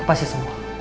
aku pasti sembuh